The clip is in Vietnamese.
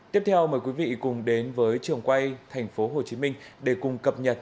tiếp theo mời quý vị cùng đến với trường quay tp hcm để cùng cập nhật